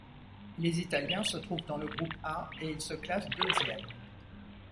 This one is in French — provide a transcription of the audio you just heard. Les Italiens se trouvent dans le groupe A et ils se classent deuxième.